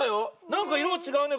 なんかいろがちがうね